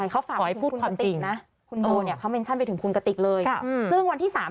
เขาฝากติกนะคุณโอเนี่ยเขาเมนชั่นไปถึงคุณกติกเลยซึ่งวันที่สาม